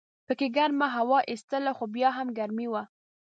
پکې ګرمه هوا ایستله خو بیا هم ګرمي وه.